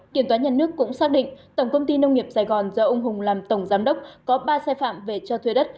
kiểm toán nhà nước cũng xác định tổng công ty nông nghiệp sài gòn do ông hùng làm tổng giám đốc có ba sai phạm về cho thuê đất